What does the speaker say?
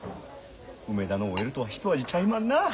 梅田のＯＬとはひと味ちゃいまんなあ。